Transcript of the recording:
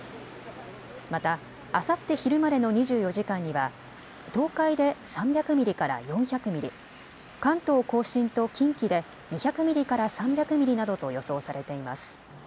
また、あさって昼までの２４時間には東海で３００ミリから４００ミリ、関東甲信と近畿で２００ミリから３００ミリなどと予想されています。